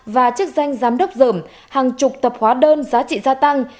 và chức danh giám đốc dởm hàng chục tập hóa đơn giá trị gia tăng